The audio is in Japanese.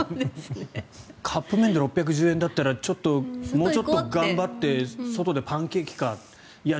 カップ麺で６１０円だったらもうちょっと頑張って外でパンケーキか。